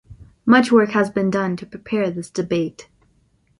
Much work has been done to prepare this debate.